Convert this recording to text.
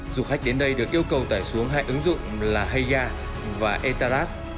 du khách đến đây được yêu cầu tải xuống hai ứng dụng là haya và eteras